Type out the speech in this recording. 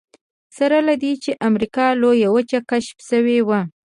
سره له دې چې امریکا لویه وچه کشف شوې وه.